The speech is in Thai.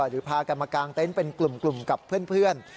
หรือพากันมากางเต็นต์เป็นกลุ่มกับเพื่อน